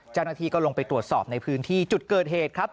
เจ้าหน้าที่ก็ลงไปตรวจสอบในพื้นที่จุดเกิดเหตุครับ